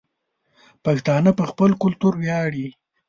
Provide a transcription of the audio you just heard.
پښتانه په خپل کلتور وياړي